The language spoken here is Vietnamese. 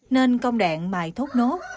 nên công đoạn mài thốt nốt